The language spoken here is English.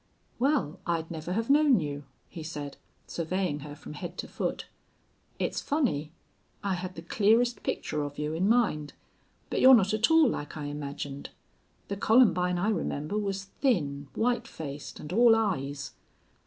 "Well, I'd never have known you," he said, surveying her from head to foot. "It's funny. I had the clearest picture of you in mind. But you're not at all like I imagined. The Columbine I remember was thin, white faced, and all eyes."